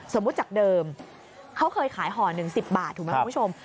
จากเดิมเขาเคยขายห่อหนึ่ง๑๐บาทถูกไหมคุณผู้ชม